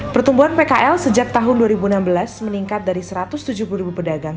pertumbuhan pkl sejak tahun dua ribu enam belas meningkat dari satu ratus tujuh puluh ribu pedagang